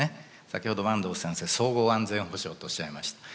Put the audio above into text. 先ほど坂東先生総合安全保障とおっしゃいました。